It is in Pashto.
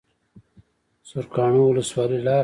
سرکانو ولسوالۍ لاره ده؟